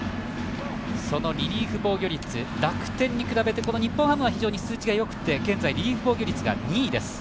そのリリーフ防御率楽天に比べて日本ハムは非常に数値がよくて、現在リリーフ防御率が２位です。